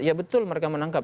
ya betul mereka menangkap